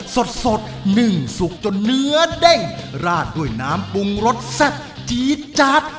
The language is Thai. สดสดนึ่งสุกจนเนื้อเด้งราดด้วยน้ำปรุงรสแซ่บจี๊ดจัด